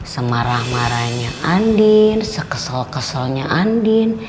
semarah marahnya andin sekesel keselnya andin